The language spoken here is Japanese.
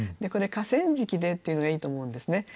これ「河川敷」でっていうのがいいと思うんですね。